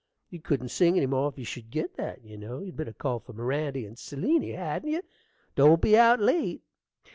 You couldn't sing any more if you should git that, you know. You'd better call for Mirandy and Seliny, hadn't you? Don't be out late.